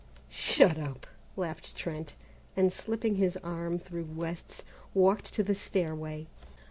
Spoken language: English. "Shut up!" laughed Trent, and slipping his arm through West's, walked to the stairway.